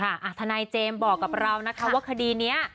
ทนายเจมส์บอกกับเรานะคะว่าคดีนี้